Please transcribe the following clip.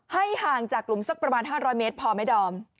ห่างจากหลุมสักประมาณ๕๐๐เมตรพอไหมดอม